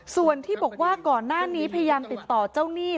ส่วนที่บอกว่าก่อนหน้านี้พยายามติดต่อเจ้าหนี้